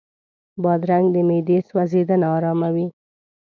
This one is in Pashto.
بادرنګ د معدې سوځېدنه آراموي.